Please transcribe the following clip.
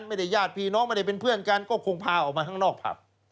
ญาติพี่น้องไม่ได้เป็นเพื่อนกันก็คงพาออกมาข้างนอกผับ